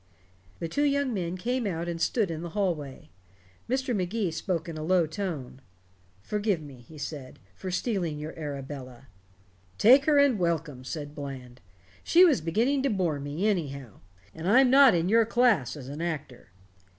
The two young men came out and stood in the hallway. Mr. Magee spoke in a low tone. "Forgive me," he said, "for stealing your Arabella." "Take her and welcome," said Bland. "She was beginning to bore me, anyhow. And I'm not in your class as an actor."